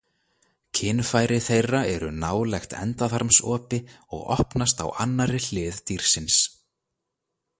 Kynfæri þeirra eru nálægt endaþarmsopi og opnast á annarri hlið dýrsins.